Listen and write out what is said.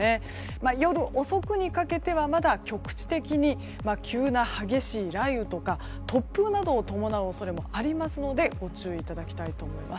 夜遅くにかけてはまだ局地的に急な激しい雷雨とか突風などを伴う恐れもありますので、ご注意ください。